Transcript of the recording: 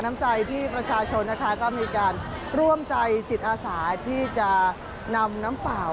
น้ำใจที่ประชาชนนะคะก็มีการร่วมใจจิตอาสาที่จะนำน้ำเปล่า